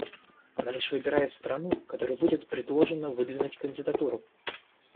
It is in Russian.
Она лишь выбирает страну, которой будет предложено выдвинуть кандидатуру.